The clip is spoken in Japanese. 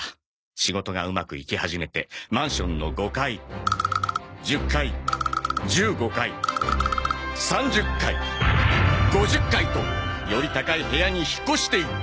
仕事がうまくいき始めてマンションの５階１０階１５階３０階５０階とより高い部屋に引っ越していった。